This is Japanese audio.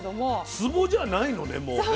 つぼじゃないのねもう。